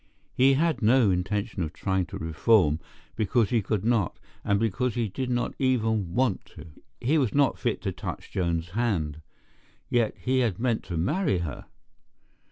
He had no intention of trying to reform because he could not and because he did not even want to. He was not fit to touch Joan's hand. Yet he had meant to marry her!